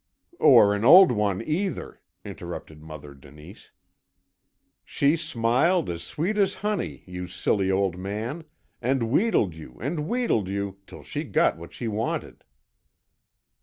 "Or an old one either," interrupted Mother Denise. "She smiled as sweet as honey you silly old man and wheedled you, and wheedled you, till she got what she wanted."